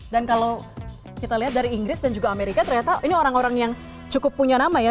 dan kalau kita lihat dari inggris dan juga amerika ternyata ini orang orang yang cukup punya nama ya